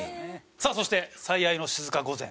さあそして最愛の静御前。